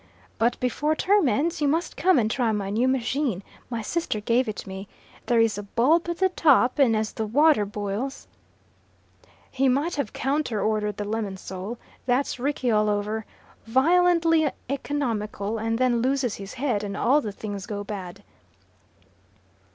"But before term ends you must come and try my new machine. My sister gave it me. There is a bulb at the top, and as the water boils " "He might have counter ordered the lemon sole. That's Rickie all over. Violently economical, and then loses his head, and all the things go bad."